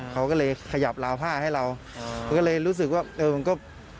เขาก็เลยขยับราวผ้าให้เรามันก็เลยรู้สึกว่าเออมันก็